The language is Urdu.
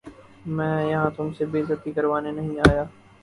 میں یہاں تم سے بے عزتی کروانے نہیں آیا